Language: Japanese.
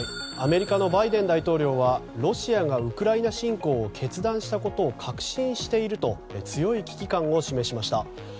アメリカのバイデン大統領はロシアがウクライナ侵攻を決断したことを確信していると強い危機感を示しました。